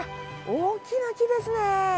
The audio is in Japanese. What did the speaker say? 大きな木ですね。